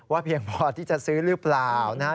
ว่าเพียงพอที่จะซื้อหรือเปล่านะ